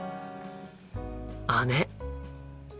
姉。